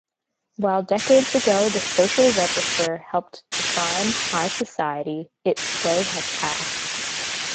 While decades ago the "Social Register" helped define high society, its day has passed.